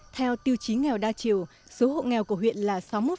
theo tiêu chí nghèo đa chiều số hộ nghèo của huyện là sáu mươi một bốn mươi hai